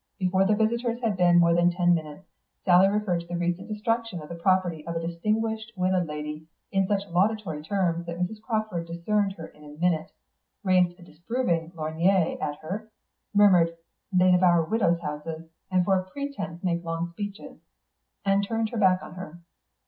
Before the visitors had been there ten minutes, Sally referred to the recent destruction of the property of a distinguished widowed lady in such laudatory terms that Mrs. Crawford discerned her in a minute, raised a disapproving lorgnette at her, murmured, "They devour widows' houses, and for a pretence make long speeches," and turned her back on her.